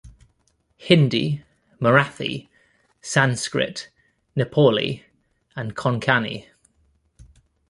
Hindi, Marathi, Sanskrit, Nepali and Konkani.